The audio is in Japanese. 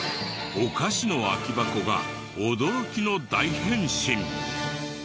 お菓子の空き箱が驚きの大変身。